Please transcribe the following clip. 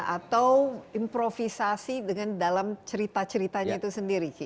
atau improvisasi dengan dalam cerita ceritanya itu sendiri